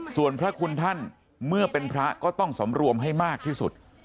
ส่วนพระคุณท่านเมื่อเป็นพระก็ต้องสำรวมให้มากที่สุด